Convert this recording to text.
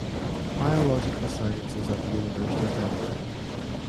Biological Sciences at the University of Edinburgh.